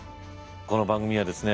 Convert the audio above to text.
この番組はですね